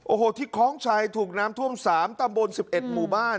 โอ้โหที่คล้องชัยถูกน้ำท่วมสามตามบนสิบเอ็ดหมู่บ้าน